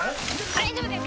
大丈夫です